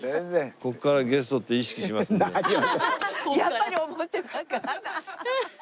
やっぱり思ってなかった。